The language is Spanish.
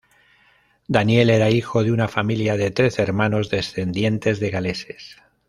Daniel era hijo de una familia de trece hermanos, descendientes de galeses.